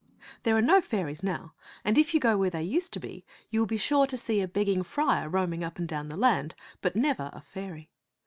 There are no fairies now ; and if you go where they used to be, you will be sure to see a begging friar roaming up and down the land, but never a fairy.